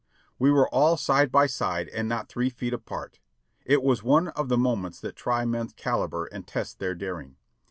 We were all side by side and not three feet apart. It was one of the moments that try men's calibre and test their daring.